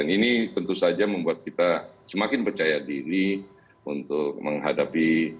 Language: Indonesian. ini tentu saja membuat kita semakin percaya diri untuk menghadapi